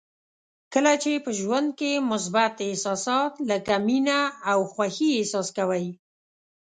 کله چې په ژوند کې مثبت احساسات لکه مینه او خوښي احساس کوئ.